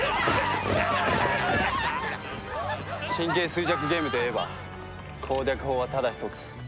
神経衰弱ゲームといえば攻略法はただ一つ。